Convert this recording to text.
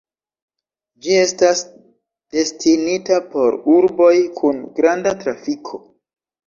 Ĝi estas destinita por urboj kun granda trafiko.